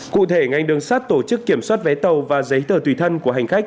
cụ thể ngành đường sắt tổ chức kiểm soát vé tàu và giấy tờ tùy thân của hành khách